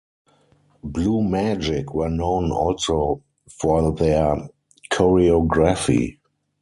Blue Magic were known also for their choreography.